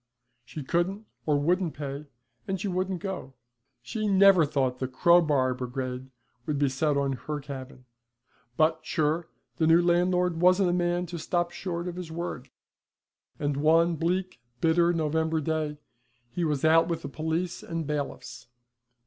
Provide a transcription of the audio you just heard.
She couldn't or wouldn't pay, and she wouldn't go. She never thought the crow bar brigade would be set on her cabin; but, sure, the new landlord wasn't a man to stop short of his word, and one bleak, bitter November day he was out with the police and bailiffs.